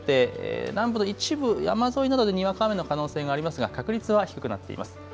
夜にかけて南部の一部山沿いなどでにわか雨の可能性がありますが確率は低くなっています。